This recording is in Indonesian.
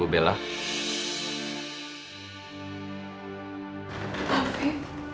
itu tapi after ini